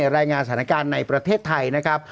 รายงานสถานการณ์ในประเทศไทยนะครับ